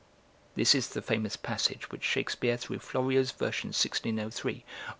[This is the famous passage which Shakespeare, through Florio's version, 1603, or ed.